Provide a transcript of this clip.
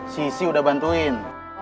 sisi udah bantuin